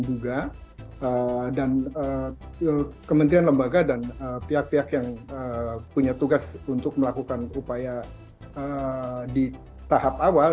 dan juga dan kementerian lembaga dan pihak pihak yang punya tugas untuk melakukan upaya di tahap awal